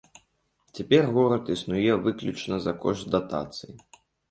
Цяпер горад існуе выключна за кошт датацый.